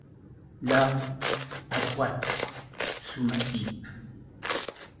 Là… à droite… sous ma pipe.